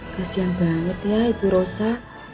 kasian banget ya ibu rosa